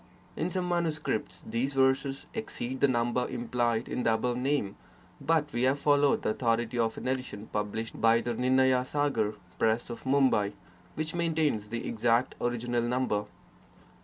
In some manuscripts, these verses exceed the number implied in the above name, but we have followed the authority of an edition published by the Nirnaya sagar Press of Mumbai, which maintains the exact original number.